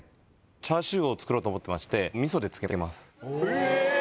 チャーシューを作ろうと思ってまして味噌で漬けてますえぇ！